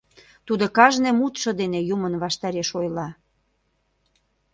Тудо кажне мутшо дене юмын ваштареш ойла.